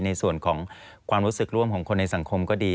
ในส่วนของความรู้สึกร่วมของคนในสังคมก็ดี